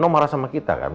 nino marah sama kita kan